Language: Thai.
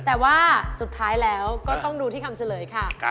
แต่ว่าสุดท้ายแล้วก็ต้องดูที่คำเฉลยค่ะ